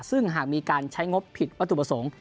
ซึ่งหากมีการใช้งบผิดวัตถุประสงค์